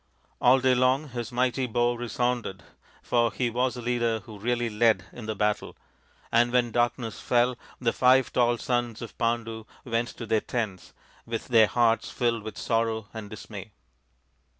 All day long his mighty bow re sounded, for he was a leader who really led in the battle, and when darkness fell the five tall sons of Pandu went to their tents with their hearts filled with sorrow and dismay.